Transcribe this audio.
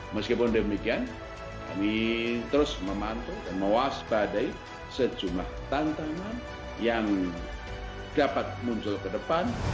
meskipun demikian kami terus memantau dan mewaspadai sejumlah tantangan yang dapat muncul ke depan